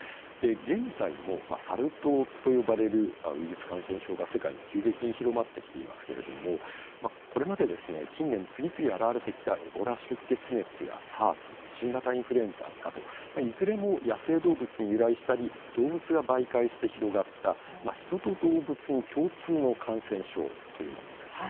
現在も「サル痘」と呼ばれるウイルス感染症が世界に急激に広まってきていますけれどもこれまで近年、次々現れてきたエボラ出血熱やＳＡＲＳ新型インフルエンザなどいずれも野生動物に由来したり動物が媒介して広がった人と動物に共通の感染症というものです。